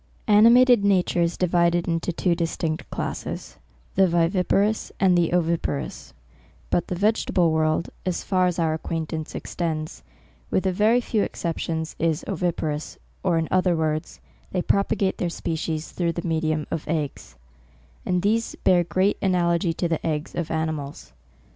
Animated nature is divided into two dis tinct classes, the viviparous, and oviparous : but the vegetable world, as far as our ac quaintance extends, with a very few excep tions, is oviparous, or in other words, they propagate their species through the medium of eggs ; and these bear great analogy to the eggs of animals.